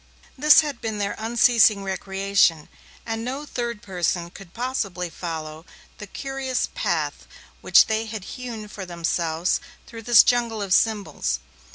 This had been their unceasing recreation, and no third person could possibly follow the curious path which they had hewn for themselves through this jungle of symbols.